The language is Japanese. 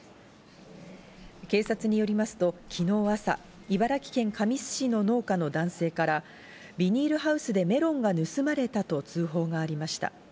警察によりますと、昨日朝、茨城県神栖市の農家の男性からビニールハウスでメロンが盗まれたと通報がありました。